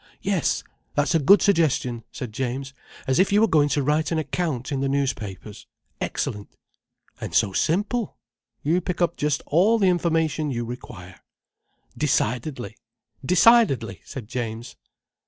"Yes, that's a good suggestion," said James. "As if you were going to write an account in the newspapers—excellent." "And so simple! You pick up just all the information you require." "Decidedly—decidedly!" said James.